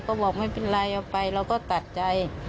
ก็บอกไม่เป็นไรเอาไปเราก็ตัดใจ